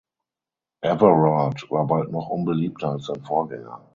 Everard war bald noch unbeliebter als sein Vorgänger.